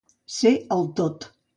Ser el tot.